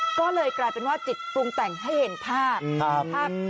ก็เลยกลายเป็นว่าจิตปรุงแต่งให้เห็นภาพ